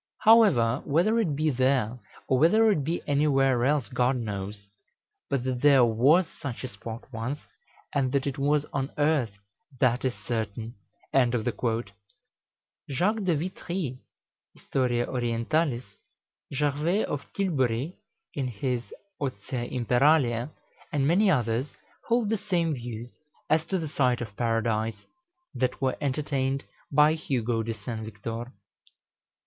However, whether it be there, or whether it be anywhere else, God knows; but that there was such a spot once, and that it was on earth, that is certain." Jacques de Vitry ("Historia Orientalis"), Gervais of Tilbury, in his "Otia Imperalia," and many others, hold the same views, as to the site of Paradise, that were entertained by Hugo de St. Victor.